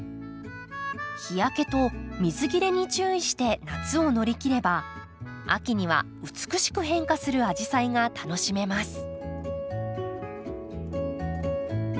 日焼けと水切れに注意して夏を乗り切れば秋には美しく変化するアジサイが楽しめます。